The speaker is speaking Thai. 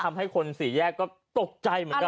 ทำให้คนสี่แยกก็ตกใจเหมือนกัน